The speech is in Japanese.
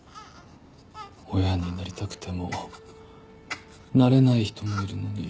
親になりたくてもなれない人もいるのに。